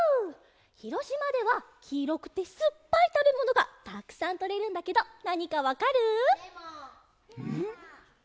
ひろしまではきいろくてすっぱいたべものがたくさんとれるんだけどなにかわかる？ん？